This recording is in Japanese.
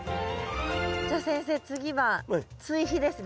じゃあ先生次は追肥ですね。